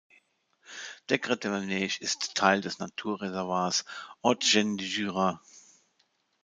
Der Crêt de la Neige ist Teil des Naturreservats "Haute Chaîne du Jura".